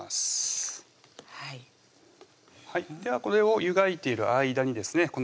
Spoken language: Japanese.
これを湯がいている間にですね